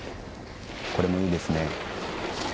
これも、いいですね。